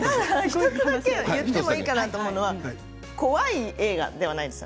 １つだけお知らせしてもいいのかなと思うのは怖い映画ではないです。